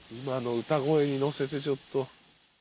今の歌声に乗せてちょっと。